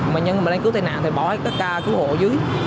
mà những người mà lên cứu tai nạn thì bỏ hết các ca cứu hộ ở dưới